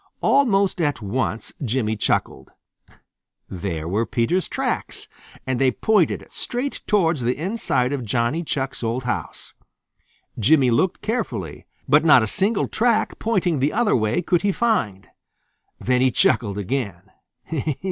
Almost at once Jimmy chuckled. There were Peter's tracks, and they pointed straight towards the inside of Johnny Chuck's old house. Jimmy looked carefully, but not a single track pointing the other way could he find. Then he chuckled again.